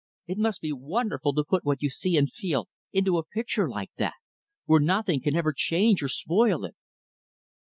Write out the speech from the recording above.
It must be wonderful to put what you see and feel into a picture like that where nothing can ever change or spoil it."